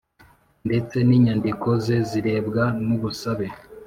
ndetse n inyandiko ze zirebwa n ubusabe